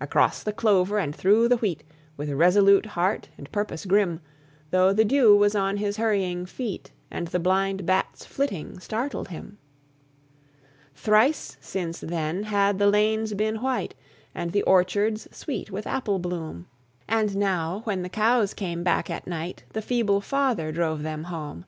Across the clover, and through the wheat, With resolute heart and purpose grim: Though the dew was on his hurrying feet, And the blind bat's flitting startled him. Thrice since then had the lanes been white, And the orchards sweet with apple bloom; And now, when the cows came back at night, The feeble father drove them home.